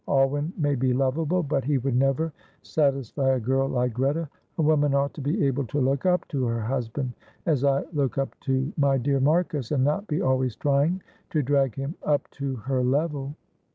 "Alwyn may be lovable, but he would never satisfy a girl like Greta. A woman ought to be able to look up to her husband, as I look up to my dear Marcus, and not be always trying to drag him up to her level.